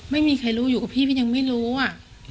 ไม่มีใครรู้อยู่กับพี่พี่ยังไม่รู้อ่ะ